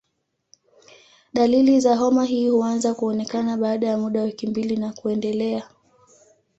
Dalili za homa hii huanza kuonekana baada ya muda wa wiki mbili na kuendelea.